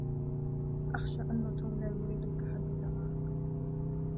أخشى أن توم لا يريد التحدث معك.